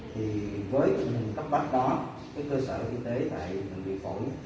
thì với những cấp bắt đó cái cơ sở y tế tại bệnh viện phổi